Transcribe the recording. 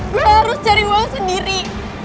gue harus cari uang sendiri